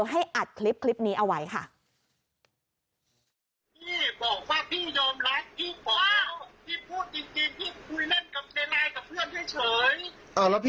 ให้อัดคลิปนี้เอาไว้ค่ะ